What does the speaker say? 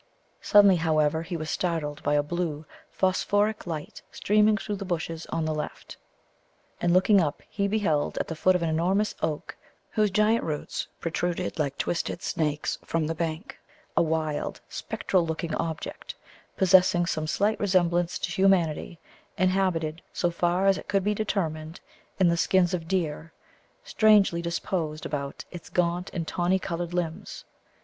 Suddenly, however, he was startled by a blue phosphoric light streaming through the bushes on the left, and, looking up, he beheld at the foot of an enormous oak, whose giant roots protruded like twisted snakes from the bank, a wild spectral looking object, possessing some slight resemblance to humanity, and habited, so far as it could be determined, in the skins of deer, strangely disposed about its gaunt and tawny coloured limbs.